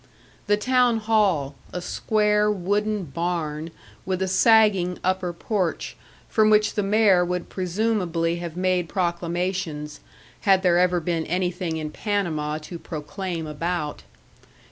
The town hall, a square wooden barn with a sagging upper porch, from which the mayor would presumably have made proclamations, had there ever been anything in Panama to proclaim about.